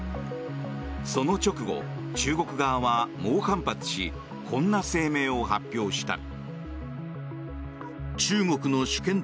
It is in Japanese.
その直後、中国側は猛反発しこんな声明を発表した。